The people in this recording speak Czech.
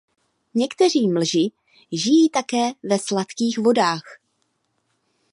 Někteří mlži žijí také ve sladkých vodách.